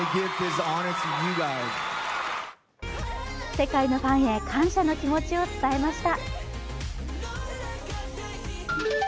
世界のファンヘ感謝の気持ちを伝えました。